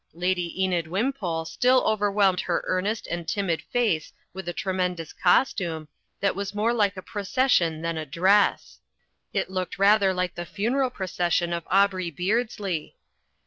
Lady Enid Wimpole still overwhelmed her earnest and timid face with a tremendous costume, that was more like a procession than a dress. It looked rather like the funeral pro cession of Aubrey Beardsley.